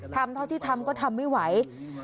ทำเท่าที่ทำก็ทำไม่ไหว